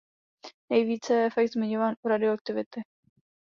Nejvíce je efekt zmiňován u radioaktivity.